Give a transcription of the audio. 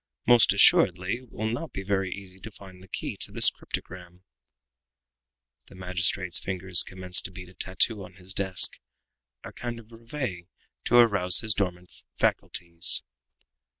Most assuredly it will not be very easy to find the key to this cryptogram." The magistrate's fingers commenced to beat a tattoo on his desk a kind of reveille to arouse his dormant faculties.